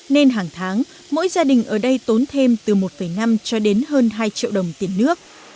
nên hàng tháng mỗi gia đình ở đây tốn thêm từ một năm cho đến hơn hai triệu đồng tiền nước